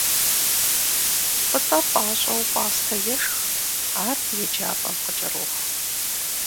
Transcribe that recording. Пӏытӏэ пащӏэу пӏастэ ешх, ар еджапӏэм къыкӏэроху.